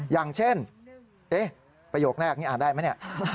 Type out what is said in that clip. อย่างเช่นประโยคแรกนี้อ่านได้ไหมเนี่ย